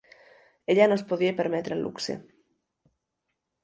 Ella no es podia permetre el luxe